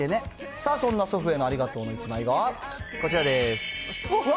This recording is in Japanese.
さあ、そんな祖父へのありがとうの１枚が、こちらです。